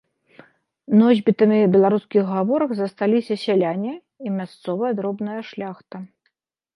Носьбітамі беларускіх гаворак засталіся сяляне і мясцовая дробная шляхта.